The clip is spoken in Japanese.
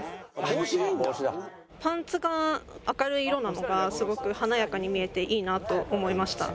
パンツが明るい色なのがすごく華やかに見えていいなと思いました。